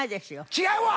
違うわ！